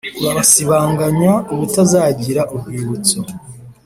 urabasibanganya ubutazagira urwibutso.